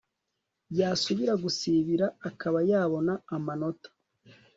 yasubira gusibira akaba yabona amanota